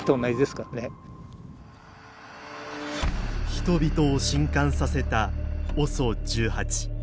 人々を震撼させたＯＳＯ１８。